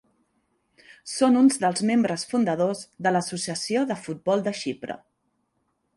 Són uns dels membres fundadors de l'Associació de Futbol de Xipre.